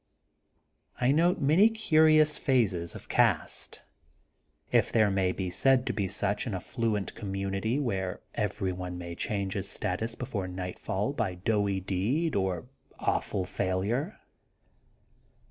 < I note many curious phases of caste, if there may be said to be such in a fluent com munity where everyone may change his status before nightfall by doughty deed or awful 92 THE GOLDEN BOOK OF SPRINGFIELD failure.